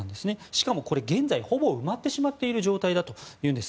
しかも、これ現在ほぼ埋まってしまっている状況だということです。